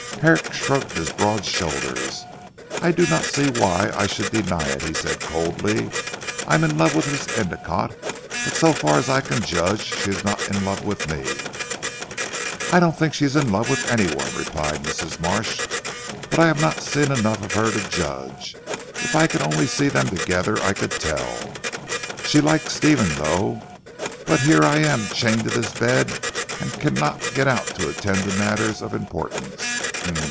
Herrick shrugged his broad shoulders. "I do not see why I should deny it," he said coldly, "I am in love with Miss Endicotte; but so far as I can judge she is not in love with me. "I don't think she is in love with anyone," replied Mrs. Marsh, "but I have not seen enough of her to judge. If I could only see them together, I could tell. She likes Stephen though. But here I am chained to this bed and cannot get out to attend to matters of importance.